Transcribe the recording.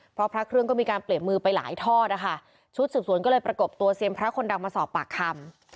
เพราะพระเครื่องก็มีการเปลี่ยนมือไปหลายทอดนะคะชุดสืบสวนก็เลยประกบตัวเซียนพระคนดังมาสอบปากคำ